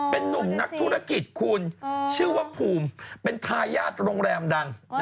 เป็นนุ่มนักธุรกิจคุณชื่อว่าภูมิเป็นทายาทโรงแรมดัง